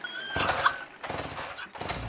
که ماشوم ته سمه لاره وښیو نو هغه نه بې لاري کيږي.